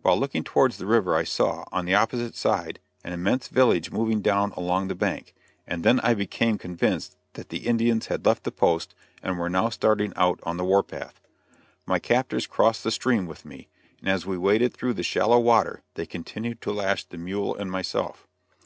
While looking towards the river I saw, on the opposite side, an immense village moving down along the bank, and then I became convinced that the Indians had left the post and were now starting out on the war path. My captors crossed the stream with me, and as we waded through the shallow water they continued to lash the mule and myself.